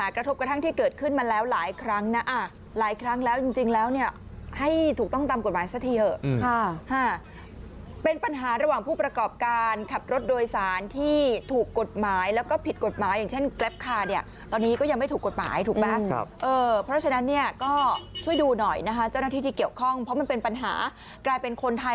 กระทบกระทั่งที่เกิดขึ้นมาแล้วหลายครั้งนะหลายครั้งแล้วจริงแล้วเนี่ยให้ถูกต้องตามกฎหมายซะทีเถอะค่ะเป็นปัญหาระหว่างผู้ประกอบการขับรถโดยสารที่ถูกกฎหมายแล้วก็ผิดกฎหมายอย่างเช่นแกรปคาเนี่ยตอนนี้ก็ยังไม่ถูกกฎหมายถูกไหมเพราะฉะนั้นเนี่ยก็ช่วยดูหน่อยนะคะเจ้าหน้าที่ที่เกี่ยวข้องเพราะมันเป็นปัญหากลายเป็นคนไทย